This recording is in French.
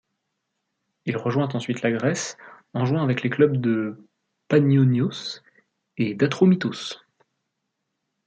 Il rejoint ensuite la Grèce, en jouant avec les clubs de Panionios et d'Atromitos.